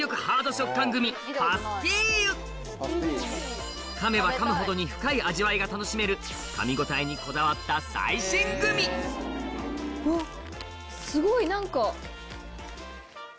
食感グミ噛めば噛むほどに深い味わいが楽しめる噛みごたえにこだわった最新グミすごい何か。